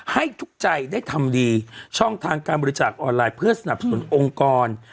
ให้ทุกใจได้ทำดีช่องทางการบริจาคออนไลน์เพื่อสนับสนุนองค์กร